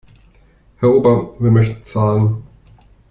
Herr Ober, wir möchten zahlen.